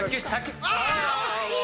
惜しい！